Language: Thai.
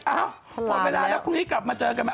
อ้าวปันล้ำแล้วแล้วพรุ่งนี้กลับมาเจอกันมั้ย